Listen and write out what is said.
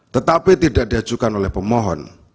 tetapi tidak diajukan oleh pemohon